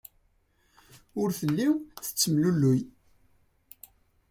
Ur telli tettemlelluy.